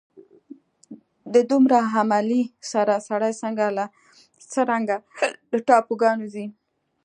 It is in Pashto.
د دومره عملې سره سړی څرنګه له ټاپوګانو ځي.